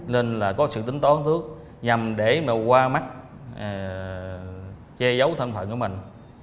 nên là có sự tính toán thước nhằm để mà qua mắt che giấu thân thận của mình